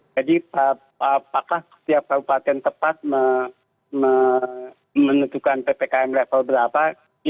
apakah setiap kabupaten tepat menentukan ppkm level berapa